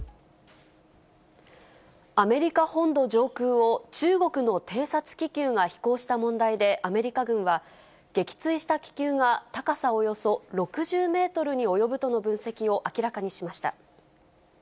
アメリカ本土上空を中国の偵察気球が飛行した問題で、アメリカ軍は、撃墜した気球が高さおよそ６０メートルに及ぶとの分析を明らかにしました。